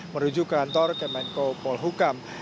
merujuk kantor kemenko polhukam